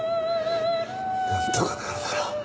なんとかなるだろ。